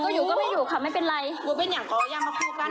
ไม่อยู่ก็ไม่อยู่ค่ะไม่เป็นไรกลัวเป็นอย่างเกาะอย่างมาคู่กัน